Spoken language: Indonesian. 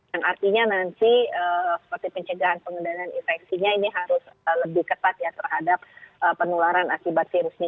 artinya nanti seperti pencegahan pengendalian infeksinya ini harus lebih ketat ya terhadap penularan akibat virusnya